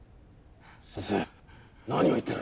先生何を言ってる！？